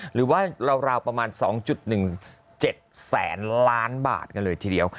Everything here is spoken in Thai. หรือว่าราวประมาณ๒๑๗แสนล้านบาทกันเลยทีเดียว